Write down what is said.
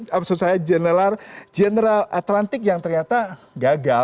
maksud saya general atlantik yang ternyata gagal